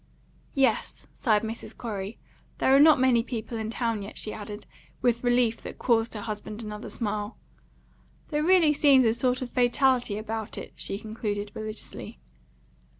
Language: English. "Yes," sighed Mrs. Corey. "There are not many people in town yet," she added, with relief that caused her husband another smile. "There really seems a sort of fatality about it," she concluded religiously.